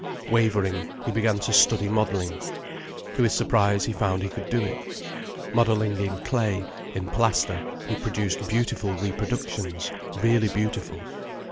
Wavering, he began to study modelling. To his surprise he found he could do it. Modelling in clay, in plaster, he produced beautiful reproductions, really beautiful.